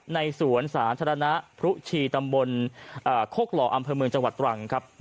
ในสวนสาธารณะพรุชีตำบลโคกหล่ออำเภอเมืองจังหวัดตรังครับ